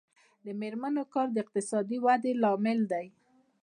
د میرمنو کار د اقتصادي ودې لامل دی.